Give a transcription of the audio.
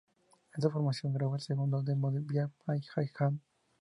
Esta formación grabó el segundo demo "Die by His Hand".